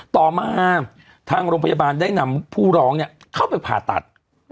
ต่อมาทางโรงพยาบาลได้นำผู้ร้องเข้าไปผ่าตัด